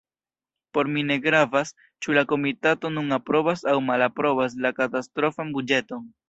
Por mi ne gravas, ĉu la komitato nun aprobas aŭ malaprobas la katastrofan buĝeton.